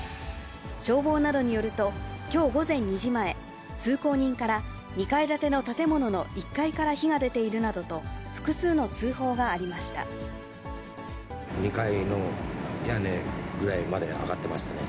消防などによると、きょう午前２時前、通行人から２階建ての建物の１階から火が出ているなどと、複数の２階の屋根ぐらいまで上がってましたね。